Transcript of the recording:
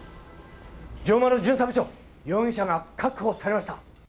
城丸巡査部長容疑者が確保されました。